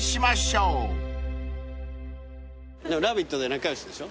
『ラヴィット！』で仲良しでしょ？